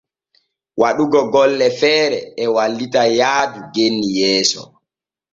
Waɗugo golle feere e wallita yaadu genni yeeso.